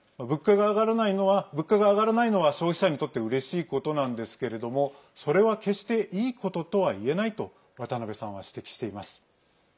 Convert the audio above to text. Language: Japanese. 物価が上がらないのは消費者にとってうれしいことなんですけれどもそれは決していいこととはいえないと渡辺さんは指摘しています。